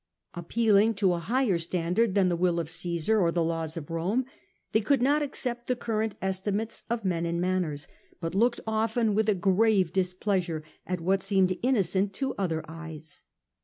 Appealing to a higher standard than the will of Cmsar or the laws of Rome, they could not accept the current estimates of men and manners, but looked often with a grave displeasure at what seemed innocent to other eyes.